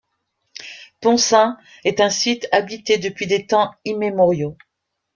Poncins est un site habité depuis des temps immémoriaux.